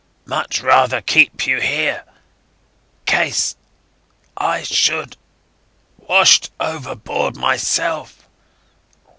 ... Much rather keep you here ... case ... I should ... washed overboard myself.